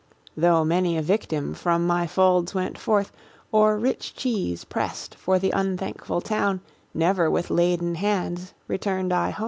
Though many a victim from my folds went forth, Or rich cheese pressed for the unthankful town, Never with laden hands returned I home.